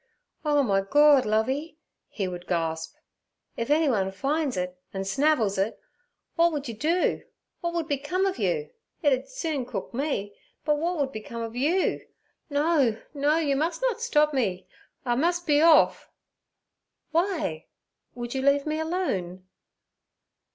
'Oh, my Gord, Lovey!' he would gasp, 'if anyone finds it an' snavels it, w'at would you do? w'at would become ov you? It'd soon cook me, but w'at would become ov you? No, no, you must not stop me; I must be off.' 'Why? Would you leave me alone?'